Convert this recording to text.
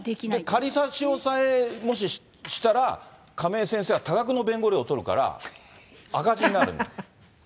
仮差し押さえ、もししたら、亀井先生は多額の弁護料を取るから、赤字になる。